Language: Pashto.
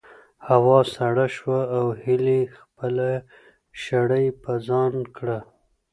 هوا سړه شوه او هیلې خپله شړۍ په ځان کړه.